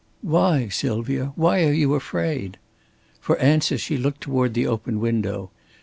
"Why, Sylvia? Why are you afraid?" For answer she looked toward the open window.